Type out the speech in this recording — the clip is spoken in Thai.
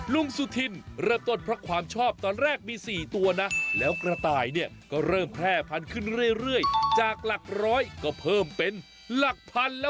ลุงสุธินแกะปล่อยกระต่ายให้เดินกินอาหารในบ้านแบบนี้เลย